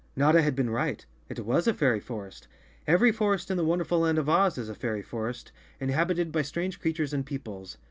Notta had been right. It was a fairy forest. Every forest in the wonderful land of Oz is a fairy forest, in¬ habited by strange creatures and peoples.